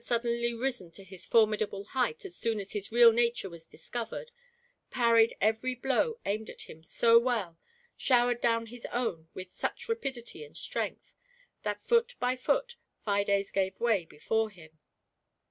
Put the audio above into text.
suddenly risen to his formidable height as soon as his real nature was discovered, parried every blow aimed at him so well, showered down his own with such rapidity and strength, that foot by foot Fides gave way before him